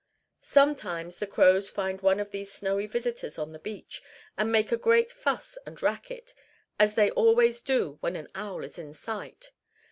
Sometimes the crows find one of these snowy visitors on the beach, and make a great fuss and racket, as they always do when an owl is in sight.